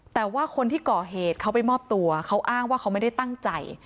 แต่ว่าคนที่ก่อเหตุเขาไปมอบตัวเขาอ้างว่าเขาไม่ได้ตั้งใจ